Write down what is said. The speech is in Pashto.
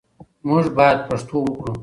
موږ بايد پښتو وکړو.